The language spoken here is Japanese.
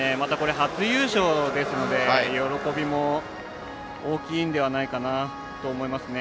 初優勝ですので喜びも大きいんではないかなと思いますね。